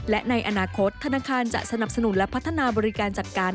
และในอนาคตธนาคารจะสนับสนุนและพัฒนาบริการจัดการ